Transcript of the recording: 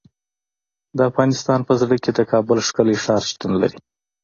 د افغانستان په زړه کې د کابل ښکلی ښار شتون لري.